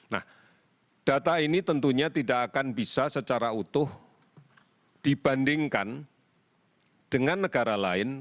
nah data ini tentunya tidak akan bisa secara utuh dibandingkan dengan negara lain